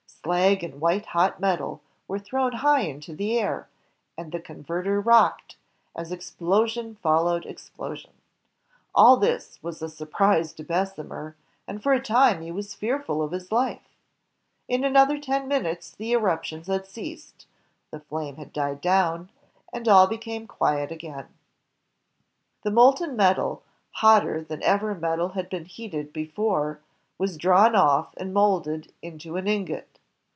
Slag and white hot metal were thrown high into the air, and the converter rocked, as explosion followed explosion. All this was a surprise to Bessemer, and for a time he was fearful of his life In another ten minutes the erup tions had ceased, the flame had died down, and all became quiet again The molten metal, hotter than ever metal had been heated be fore, was drawn off and molded into an ingot.